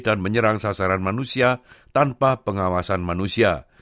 dan menyerang sasaran manusia tanpa pengawasan manusia